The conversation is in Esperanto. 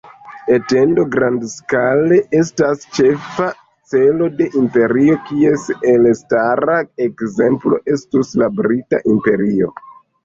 Etendo grandskale estas ĉefa celo de imperio, kies elstara ekzemplo estus la Brita Imperio.